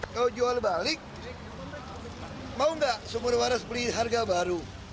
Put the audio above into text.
kalau jual balik mau nggak sumerwaras beli harga baru